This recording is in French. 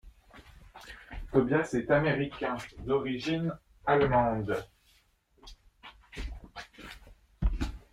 Tobias est américain, d'origine allemande.